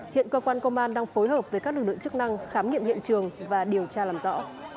hiện cơ quan công an đang phối hợp với các lực lượng chức năng khám nghiệm hiện trường và điều tra làm rõ